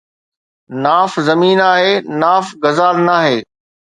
ناف زمين آهي، ناف غزال ناهي